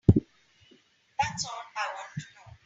That's all I want to know.